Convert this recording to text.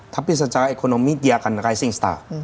tapi secara ekonomi dia akan rising star